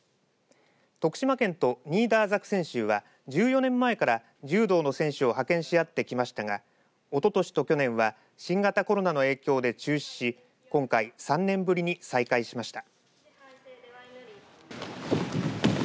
徳島県のニーダーザクセン州は１４年前から柔道選手を派遣し合ってきましたがおととしと去年は新型コロナの影響で中止し今回３年ぶりに再開しました。